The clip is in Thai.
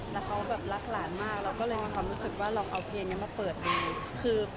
แล้วเขาแบบรักหลานมากเราก็เลยมีความรู้สึกว่าลองเอาเพลงนี้มาเปิดดูคือ